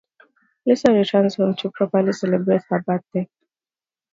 Lisa returns home to properly celebrate her birthday.